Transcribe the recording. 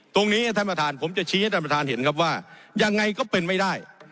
ตรงนี้ท่านประธานผมจะชี้ให้ท่านประธานเห็นครับว่ายังไงก็เป็นไม่ได้